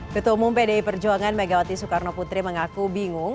ketumum pdi perjuangan megawati soekarno putri mengaku bingung